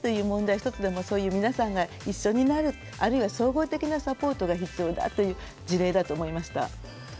１つでもそういう皆さんが一緒になるあるいは総合的なサポートが必要だという事例だと思いました。